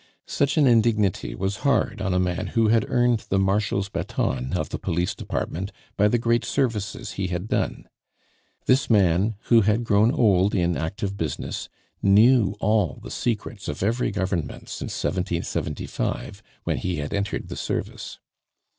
Such an indignity was hard on a man who had earned the Marshal's baton of the Police Department by the great services he had done. This man, who had grown old in active business, knew all the secrets of every Government since 1775, when he had entered the service.